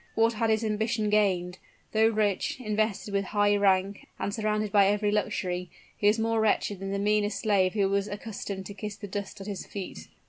What had his ambition gained? Though rich, invested with high rank, and surrounded by every luxury, he was more wretched than the meanest slave who was accustomed to kiss the dust at his feet.